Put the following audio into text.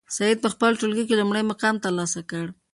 سعید په خپل ټولګي کې لومړی مقام ترلاسه کړ.